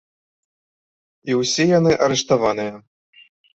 І ўсе яны арыштаваныя.